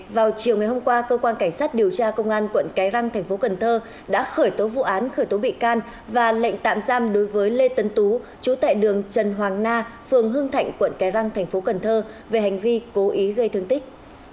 vào chiều ngày hôm qua cơ quan cảnh sát điều tra công an quận cái răng tp cn đã khởi tố vụ án khởi tố bị can và lệnh tạm giam đối với lê tấn tú chú tại đường trần hoàng na phường hương thạnh quận cái răng tp cn về hành vi cố ý gây thương tích